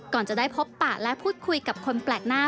ก่อนจะได้พบปะและพูดคุยกับคนแปลกหน้า